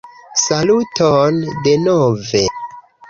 Saluton denove!